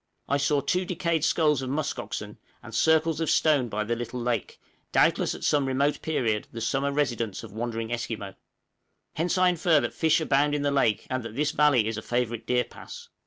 I saw two decayed skulls of musk oxen, and circles of stones by the little lake, doubtless at some remote period the summer residence of wandering Esquimaux; hence I infer that fish abound in the lake, and that this valley is a favorite deer pass.